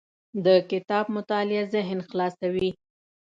د کتاب مطالعه ذهن خلاصوي.